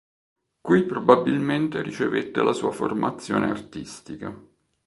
Qui probabilmente ricevette la sua formazione artistica.